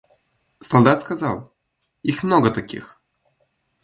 Солдат сказал: их много таких.